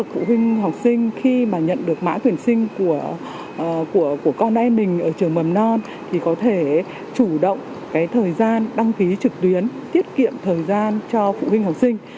phụ huynh học sinh khi mà nhận được mã tuyển sinh của con em mình ở trường mầm non thì có thể chủ động cái thời gian đăng ký trực tuyến tiết kiệm thời gian cho phụ huynh học sinh